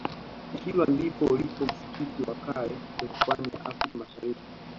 kilwa ndipo ulipo msikiti wa kale kwenye pwani ya africa mashariki